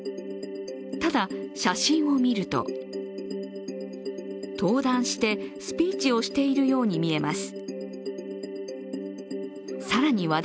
ただ、写真を見ると登壇してスピーチをしているように見えます。